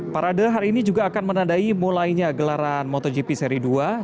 parade hari ini juga akan menandai mulainya gelaran motogp seri dua dua ribu dua puluh dua